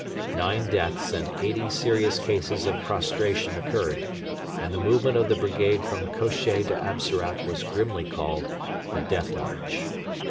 Nine deaths and eighty serious cases of prostration occurred, and the movement of the brigade from Kosheh to Absarat was grimly called 'The Death March.'